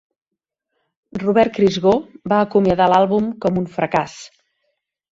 Robert Christgau va acomiadar l'àlbum com un "fracàs".